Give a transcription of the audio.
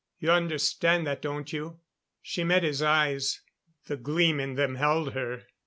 You understand that, don't you?" She met his eyes; the gleam in them held her.